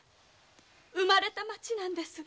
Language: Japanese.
生まれた町なんです。